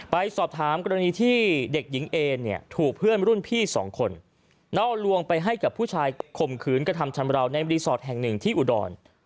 ไปสอบถามกรณีที่เด็กหญิงเอเนี่ยถูกเพื่อนรุ่นพี่สองคนน่อลวงไปให้กับผู้ชายข่มขืนกระทำชำราวในรีสอร์ทแห่งหนึ่งที่อุดร